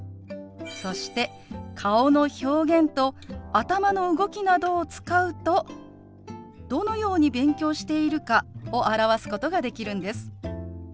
そして顔の表現と頭の動きなどを使うとどのように勉強しているかを表すことができるんです。